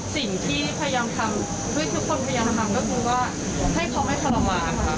สิ่งที่พยายามทำด้วยทุกคนพยายามทำก็คือว่าให้เขาไม่ทรมานค่ะ